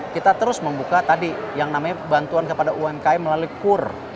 kita terus membuka tadi yang namanya bantuan kepada umkm melalui kur